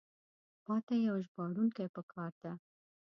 ماته یو ژباړونکی پکار ده.